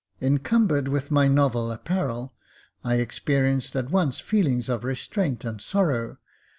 Encumbered with my novel apparel, I experienced at once feelings of restraint and sorrow.